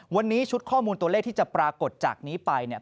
วันนี้ชุดข้อมูลตัวเลขที่จะปรากฏจากนี้ไปเนี่ย